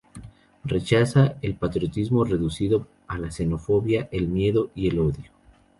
Rechaza el patriotismo reducido a la xenofobia, el miedo y el odio.